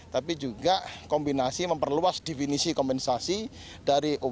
tapi juga kombinasi memperluas definisi kompensasi dari umkm